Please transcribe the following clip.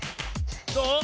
どう？